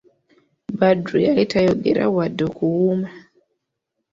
Badru yali tayogera wadde okuwuuna!